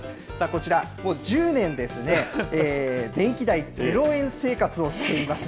こちら、もう１０年、電気代ゼロ円生活をしています